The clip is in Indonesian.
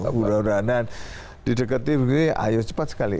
mudah mudahanan didekati ayo cepat sekali